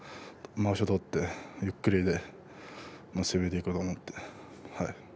まわしを取って寄り切りで攻めていこうと思って。